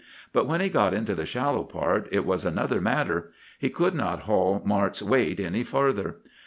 But when he got into the shallow part it was another matter; he could not haul Mart's weight any farther.